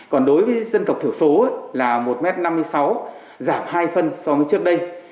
còn đối với dân tộc thiểu số là một m năm mươi sáu giảm hai phân so với trước đây